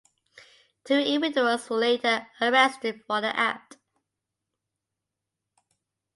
Two individuals were later arrested for the act.